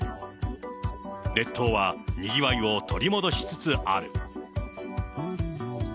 列島はにぎわいを取り戻しつつある。